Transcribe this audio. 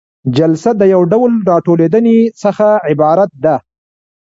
جلسه د یو ډول راټولیدنې څخه عبارت ده.